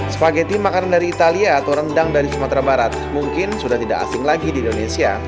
spaghetti makanan dari italia atau rendang dari sumatera barat mungkin sudah tidak asing lagi di indonesia